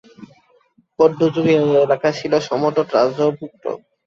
বৌদ্ধ যুগে এ এলাকা ছিল সমতট রাজ্যর্ভুক্ত।